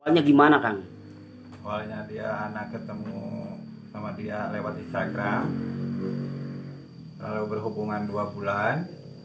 soalnya gimana kang awalnya dia anak ketemu sama dia lewat instagram lalu berhubungan dua bulan